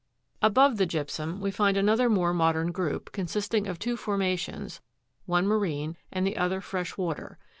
Above the gypsum we find another more modern group, consisting of two formations, one marine and the other fresh water.